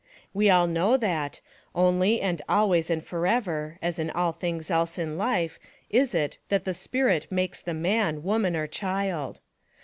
We all know that : Only and always and forever, as in all things else in life is it that the spirit makes the man, woman or child.